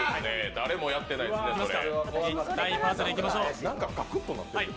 誰もやってないですね、それ。